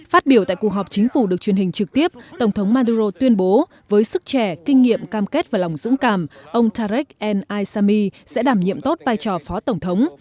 phát biểu tại cuộc họp chính phủ được truyền hình trực tiếp tổng thống maduro tuyên bố với sức trẻ kinh nghiệm cam kết và lòng dũng cảm ông tarek el asami sẽ đảm nhiệm tốt vai trò phó tổng thống